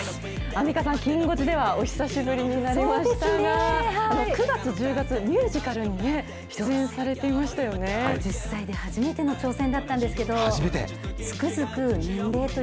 アンミカさん、きん５時ではお久しぶりになりましたが、９月、１０月、ミュージカルにね、５０歳で初めての挑戦だった初めて？